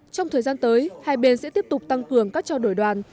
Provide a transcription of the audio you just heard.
trong thời gian tới hai bên sẽ tiếp tục tăng cường các trao đổi đoàn